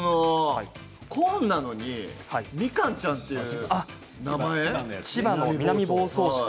コーンなのにみかんちゃんっていうのが。